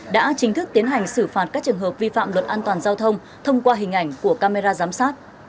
đã chính thức tiến hành xử phạt các trường hợp vi phạm luật an toàn giao thông thông qua hình ảnh của camera giám sát